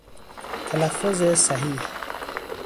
تلفظ صحیح